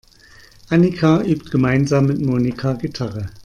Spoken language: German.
Annika übt gemeinsam mit Monika Gitarre.